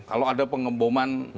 kalau ada pengemboman